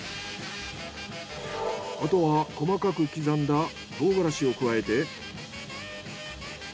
あとは細かく刻んだ唐辛子を加えて。